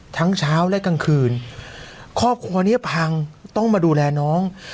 เช้าและกลางคืนครอบครัวนี้พังต้องมาดูแลน้อง